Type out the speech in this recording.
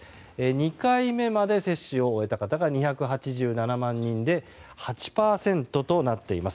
２回目まで接種を終えた方が２８７万人で８％となっています。